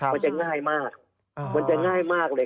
มันจะง่ายมากมันจะง่ายมากเลย